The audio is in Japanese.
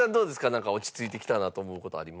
なんか落ち着いてきたなと思う事ありますか？